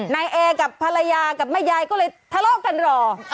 นายเอกับภรรยากับแม่ยายก็เลยทะเลาะกันรอ